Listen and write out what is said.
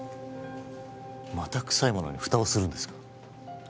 また臭いものにフタをするんですか？